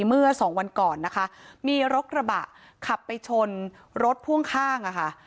เมื่อสองวันก่อนนะคะมีรถกระบะขับไปชนรถพ่วงข้างอ่ะค่ะ